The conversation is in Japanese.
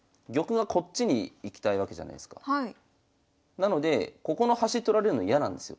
なのでここの端取られるの嫌なんですよ。